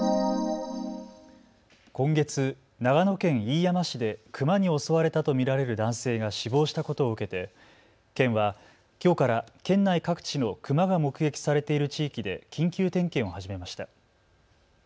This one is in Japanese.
今月、長野県飯山市でクマに襲われたと見られる男性が死亡したことを受けて県はきょうから県内各地のクマが目撃されている地域で緊急点検を始めました。